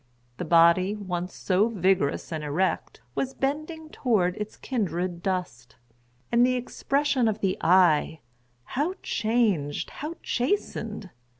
The body, once so vigorous and erect, was bending towards its kindred dust; and the expression of the eye, how changed! how chastened!